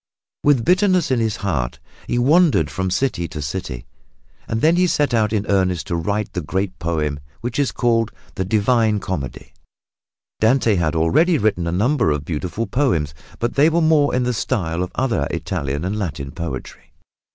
With bitterness in his heart he wandered from city to city, and then he set out in earnest to write the great poem which is called the Divine Comedy. Dante had already written a number of beautiful poems, but they were more in the style of other Italian and Latin poetry.